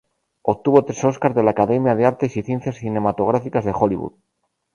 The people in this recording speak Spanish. Obtuvo tres Óscar de la Academia de Artes y Ciencias Cinematográficas de Hollywood.